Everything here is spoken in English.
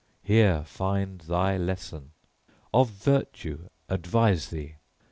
Here find thy lesson! Of virtue advise thee!